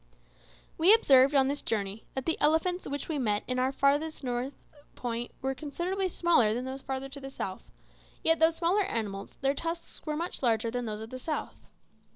We observed, on this journey, that the elephants which we met with in our farthest north point were considerably smaller than those farther to the south, yet though smaller animals, their tusks were much larger then those of the south.